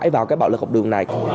hãy vào cái bạo lực học đường này